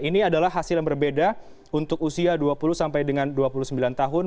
ini adalah hasil yang berbeda untuk usia dua puluh sampai dengan dua puluh sembilan tahun